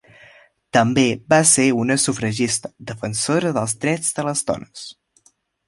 També va ser una sufragista, defensora dels drets de les dones.